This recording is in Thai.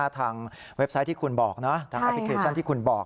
เว็บไซต์ที่คุณบอกทางแอปพลิเคชันที่คุณบอก